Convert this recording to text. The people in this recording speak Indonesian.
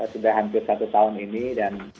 sudah hampir satu tahun ini dan